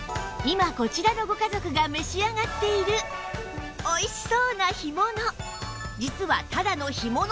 今こちらのご家族が召し上がっているおいしそうな干物